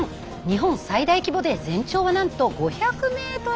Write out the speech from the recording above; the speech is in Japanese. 日本最大規模で全長はなんと５００ｍもあるんです。